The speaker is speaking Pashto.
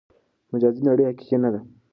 مجازي نړۍ حقیقي نه ده.